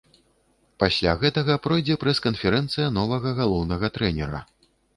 Пасля гэтага пройдзе прэс-канферэнцыя новага галоўнага трэнера.